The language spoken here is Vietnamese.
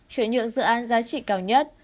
chuyển nhượng dự án giá trị cao nhất